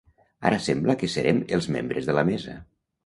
Ara sembla que serem els membres de la mesa.